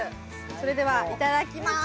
それではいただきます。